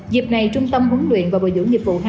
dịp này trung tâm huấn luyện và bồi dưỡng nghiệp vụ hai